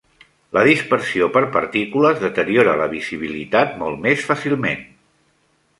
La dispersió per partícules deteriora la visibilitat molt més fàcilment.